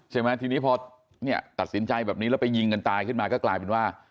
ใช่ไหมทีนี้พอเนี่ยตัดสินใจแบบนี้แล้วไปยิงกันตายขึ้นมาก็กลายเป็นว่า